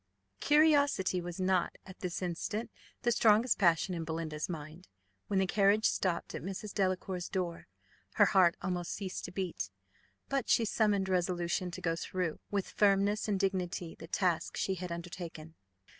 Curiosity was not, at this instant, the strongest passion in Belinda's mind. When the carriage stopped at Mrs. Delacour's door, her heart almost ceased to beat; but she summoned resolution to go through, with firmness and dignity, the task she had undertaken.